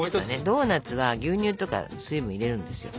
ドーナツは牛乳とか水分を入れるんですよ。